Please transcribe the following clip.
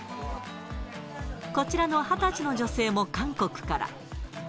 こちらの２０歳の女性も韓国から。